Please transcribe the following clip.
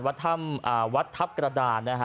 วัดธรรมวัดทัพกระดาษ